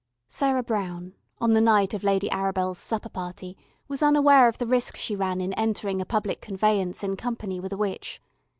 Sarah Brown, on the night of Lady Arabel's supper party, was unaware of the risk she ran in entering a public conveyance in company with a witch.